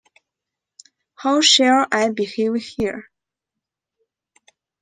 How shall I behave here?